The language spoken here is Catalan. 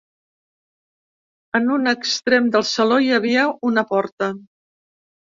En un extrem del saló hi havia una porta.